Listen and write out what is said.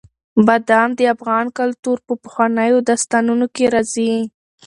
بادام د افغان کلتور په پخوانیو داستانونو کې راځي.